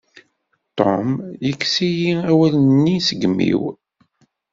Tom yekkes-iyi awalen-nni seg imi-w.